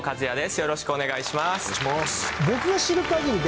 よろしくお願いします。